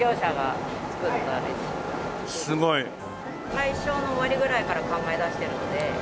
大正の終わりぐらいから考えだしてるので。